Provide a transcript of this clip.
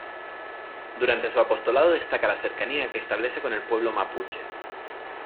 Durante su apostolado destaca la cercanía que establece con el pueblo mapuche.